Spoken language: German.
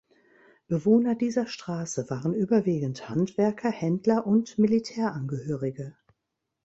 Bewohner dieser Straße waren überwiegend Handwerker, Händler und Militärangehörige.